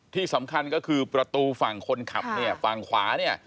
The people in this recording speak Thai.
ที่สำคัญก็คือประตูฝั่งคนขับเนี่ยฝั่งขวาเนี่ย